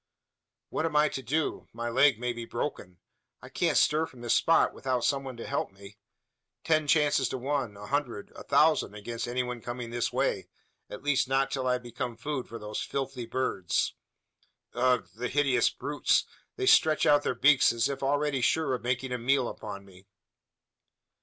"What am I to do? My leg may be broken. I can't stir from this spot, without some one to help me. Ten chances to one a hundred a thousand against any one coming this way; at least not till I've become food for those filthy birds. Ugh! the hideous brutes; they stretch out their beaks, as if already sure of making a meal upon me!